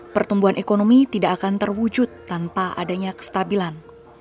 pertumbuhan ekonomi tidak akan terwujud tanpa adanya kestabilan